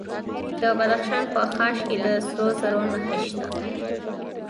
د بدخشان په خاش کې د سرو زرو نښې شته.